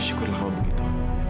syukurlah kau begitu